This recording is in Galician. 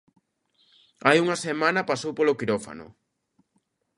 Hai unha semana pasou polo quirófano.